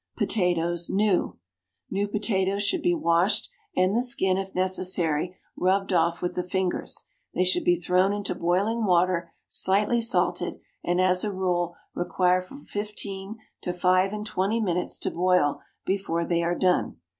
POTATOES, NEW. New potatoes should be washed and the skin, if necessary, rubbed off with the fingers; they should be thrown into boiling water, slightly salted, and as a rule require from fifteen to five and twenty minutes to boil before they are done.